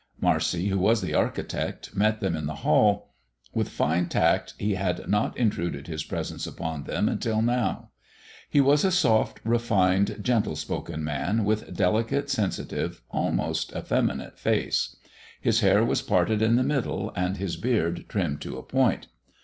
Marcy, who was the architect, met them in the hall. With fine tact, he had not intruded his presence upon them until now. He was a soft, refined, gentle spoken man, with a delicate, sensitive, almost effeminate face. His hair was parted in the middle, and his beard trimmed to a point.